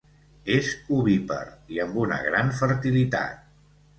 És ovípar i amb una gran fertilitat.